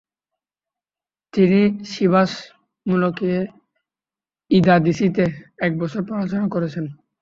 তিনি সিভাস মুলকিয়ে ইদাদিসিতে এক বছর পড়াশোনা করেছেন।